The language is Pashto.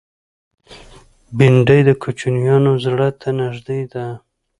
بېنډۍ د کوچنیانو زړه ته نږدې ده